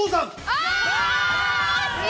あ！